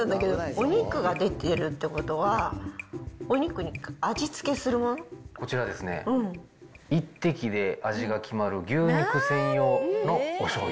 お肉が出てるってことは、こちらですね、一滴で味が決まる牛肉専用のおしょうゆ。